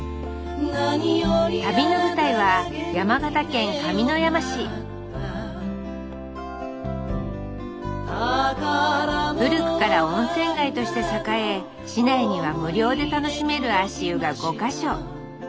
旅の舞台は古くから温泉街として栄え市内には無料で楽しめる足湯が５か所。